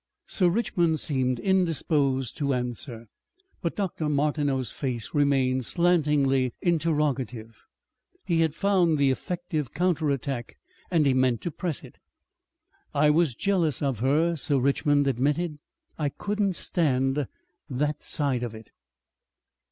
Sir Richmond seemed indisposed to answer, but Dr. Martineau's face remained slantingly interrogative. He had found the effective counterattack and he meant to press it. "I was jealous of her," Sir Richmond admitted. "I couldn't stand that side of it."